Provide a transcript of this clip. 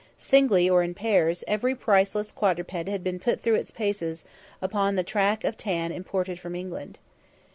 Singly, or in pairs, every priceless quadruped had been put through its paces upon the track of tan imported from England.